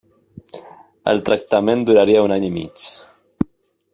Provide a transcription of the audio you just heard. El tractament duraria un any i mig.